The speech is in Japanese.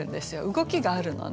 動きがあるのね。